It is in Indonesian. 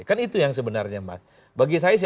kan itu yang sebenarnya mas